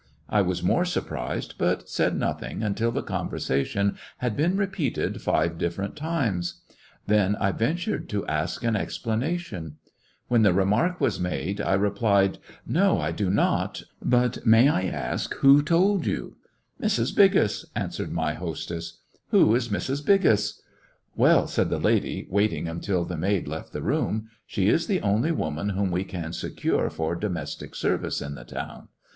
I was more surprised, but said nothing until the conversation had been repeated five differ ent times. Then I ventured to ask an ex planation. When the remark was made I replied : 103 ^ecolCections of a "No, I do not; but may I ask who told yont" "Mrs. Biggus," answered my hostess. "Who is Mrs. Biggust" "Well," said the lady, waiting until the maid left the room, "she is the only woman whom we can secure for domestic service in the town.